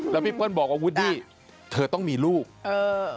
แล้วพี่เปิ้ลบอกอาวุธที่เธอต้องมีลูกเออ